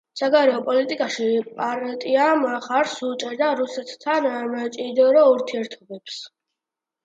საგარეო პოლიტიკაში პარტია მხარს უჭერდა რუსეთთან მჭიდრო ურთიერთობებს.